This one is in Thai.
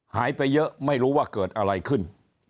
หายไปเยอะไม่รู้ว่าเกิดอะไรขึ้น